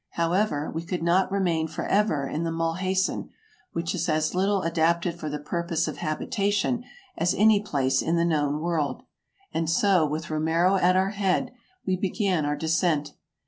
However, we could not remain for ever in the Mulhacen, which is as little adapted for the pur pose of habitation as any place in the known world, and so, with Romero at our head, we began our descent.